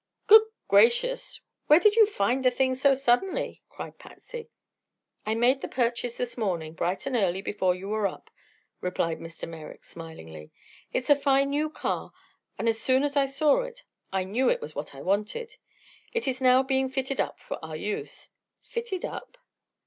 "Good gracious! Where did you find the thing so suddenly?" cried Patsy. "I made the purchase this morning, bright and early, before you were up," replied Mr. Merrick, smilingly. "It is a fine new car, and as soon as I saw it I knew it was what I wanted. It is now being fitted up for our use." "Fitted up?"